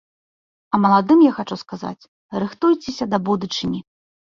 А маладым я хачу сказаць, рыхтуйцеся да будучыні.